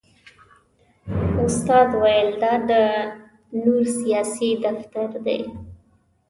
استاد ویل دا د نور سیاسي دفتر دی.